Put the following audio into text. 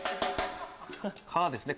「か」ですね。